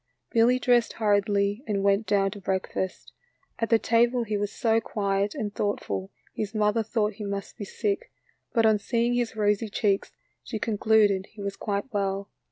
Billy dressed hurriedly and went down to breakfast. At the table he was so quiet and thoughtful his mother thought he must be sick, but on seeing his rosy cheeks she concluded he was quite well.